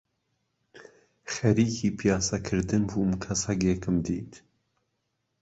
خەریکی پیاسە کردن بووم کە سەگێکم دیت